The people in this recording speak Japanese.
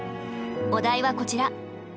お題はこちら。